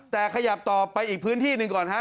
แต่ขยับต่อไปอีกพื้นที่หนึ่งก่อนฮะ